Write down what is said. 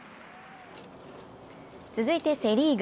続いてセ・リーグ。